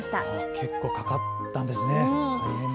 結構かかったんですね。